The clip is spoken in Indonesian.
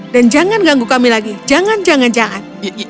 dan jangan ganggu kami lagi jangan jangan jangan